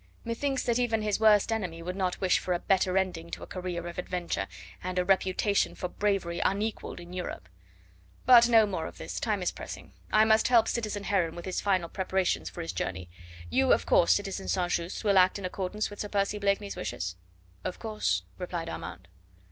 Methinks that even his worst enemy would not wish for a better ending to a career of adventure, and a reputation for bravery unequalled in Europe. But no more of this, time is pressing, I must help citizen Heron with his final preparations for his journey. You, of course, citizen St. Just, will act in accordance with Sir Percy Blakeney's wishes?" "Of course," replied Armand.